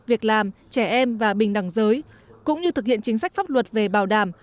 việc làm trẻ em và bình đẳng giới cũng như thực hiện chính sách pháp luật về bảo đảm